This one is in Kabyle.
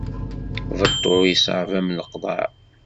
Beṭṭu yeṣɛeb am leqḍaɛ.